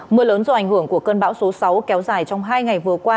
mưa lớn do ảnh hưởng của cơn bão số sáu kéo dài trong hai ngày vừa qua